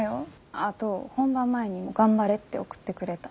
あと本番前にも「ガンバレ！」って送ってくれた。